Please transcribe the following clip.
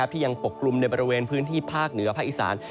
ที่ยังปกกลุ่มในบริเวณพื้นที่ภาคเหนือภาคอีสาน